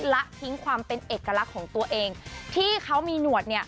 และทิ้งความเป็นเอกลักษณ์ของตัวเองที่เขามีหนวดเนี่ย